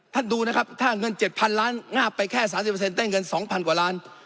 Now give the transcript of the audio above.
ดูนะครับถ้าเงิน๗๐๐ล้านงาบไปแค่๓๐ได้เงิน๒๐๐กว่าล้าน